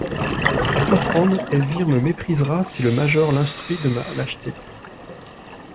A tout prendre, Elvire me méprisera si le major l'instruit de ma lâcheté.